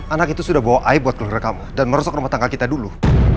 anak itu sudah bawa air buat keluarga kamu dan merosok rumah tangga kita dulu